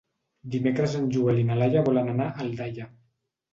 Dimecres en Joel i na Laia volen anar a Aldaia.